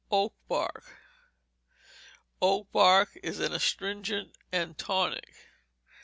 Oak Bark Oak Bark is an astringent and tonic.